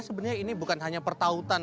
sebenarnya ini bukan hanya pertautan